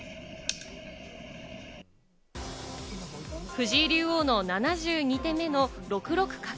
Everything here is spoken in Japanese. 藤井竜王の７２手目の６六角。